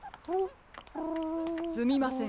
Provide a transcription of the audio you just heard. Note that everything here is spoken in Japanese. すみません。